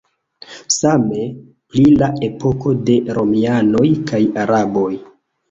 Same pri la epoko de romianoj kaj araboj.